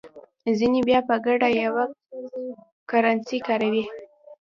ځینې بیا په ګډه یوه کرنسي کاروي.